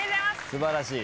素晴らしい。